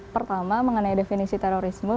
pertama mengenai definisi terorisme